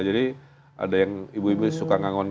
jadi ada yang ibu ibu suka ngangon kambing ya